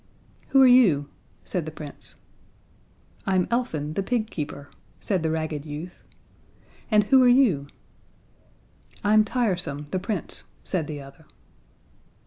"Who are you?" said the Prince. "I'm Elfin, the pig keeper," said the ragged youth. "And who are you?" "I'm Tiresome, the Prince," said the other.